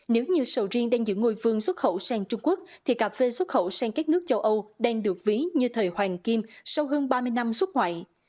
nếu như sầu riêng đang giữ ngôi vương xuất khẩu sang trung quốc thì cà phê xuất khẩu sang các nước châu âu đang được ví như thời hoàng kim sau hơn ba mươi năm xuất ngoại